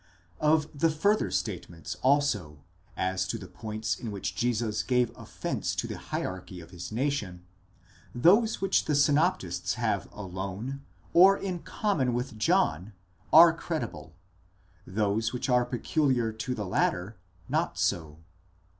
1! Of the further statements also, as to the points in which Jesus gave offence to the hierarchy of his nation, those which the synoptists have alone, or in common with John, are credible ; those which are peculiar to the latter, not so.